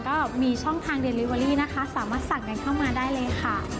ก็มีช่องทางเดรีเวอรี่สามารถสั่งในเข้ามาได้เลยค่ะ